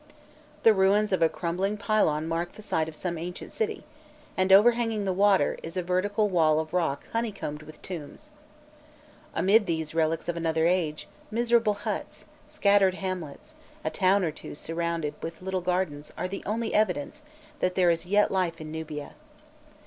The ruins of a crumbling pylon mark the site of some ancient city, and, overhanging the water, is a vertical wall of rock honeycombed with tombs. Amid these relics of another age, miserable huts, scattered hamlets, a town or two surrounded with little gardens are the only evidence that there is yet life in Nubia.